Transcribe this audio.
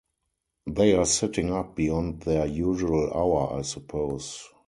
They are sitting up beyond their usual hour, I suppose.